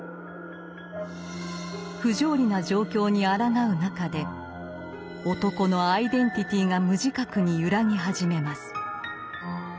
不条理な状況にあらがう中で男のアイデンティティーが無自覚に揺らぎ始めます。